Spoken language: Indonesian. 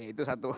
oke itu satu